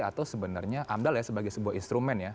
atau sebenarnya amdal ya sebagai sebuah instrumen ya